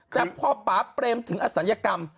แต่พอป่าเปรมถึงอศัลยกรรม